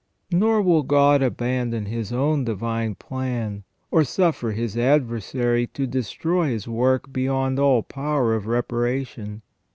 Nor will God abandon His own divine plan, or suffer His adversary to destroy His work beyond all power of reparation.